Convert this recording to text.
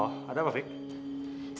oh ada apa vika